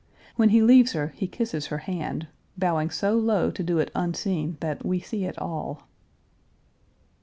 When he leaves her, he kisses her hand, bowing so low to do it unseen that we see it all.